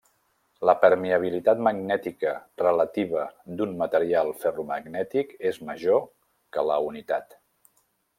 La permeabilitat magnètica relativa d'un material ferromagnètic és major que la unitat.